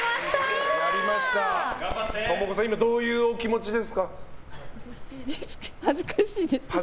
ともこさん、今どういうお気持ちですか？